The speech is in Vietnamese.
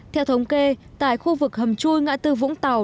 theo thống kê tại khu vực hầm chui ngã tư vũng tàu